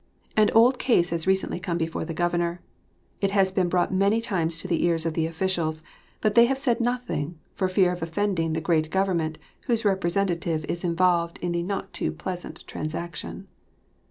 An old case has recently come before the Governor. It has been brought many times to the ears of the officials, but they have said nothing, for fear of offending the Great Government whose representative is involved in the not too pleasant transaction.